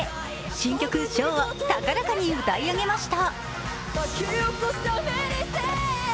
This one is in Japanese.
新曲「唱」を高らかに歌い上げました。